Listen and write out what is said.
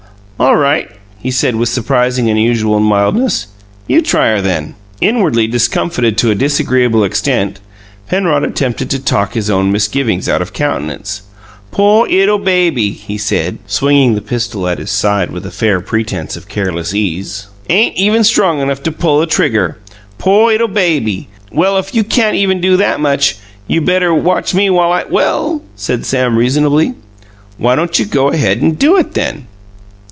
"All right," he said, with surprising and unusual mildness. "You try her, then." Inwardly discomfited to a disagreeable extent, Penrod attempted to talk his own misgivings out of countenance. "Poor 'ittle baby!" he said, swinging the pistol at his side with a fair pretense of careless ease. "Ain't even strong enough to pull a trigger! Poor 'ittle baby! Well, if you can't even do that much, you better watch me while I " "Well," said Sam reasonably, "why don't you go on and do it then?"